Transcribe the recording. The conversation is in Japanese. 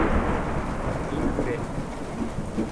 インフレ